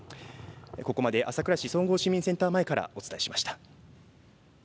ここまで朝倉市総合市民センター前からお伝えしました。